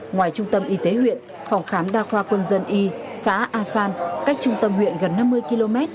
ngoài trung tâm y tế huyện phòng khám đa khoa quân dân y xã a san cách trung tâm huyện gần năm mươi km